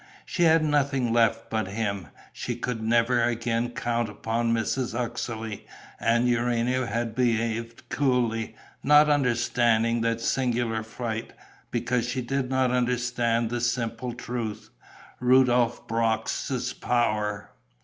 She had nothing left but him. She could never again count upon Mrs. Uxeley; and Urania had behaved coolly, not understanding that singular flight, because she did not understand the simple truth, Rudolph Brox' power.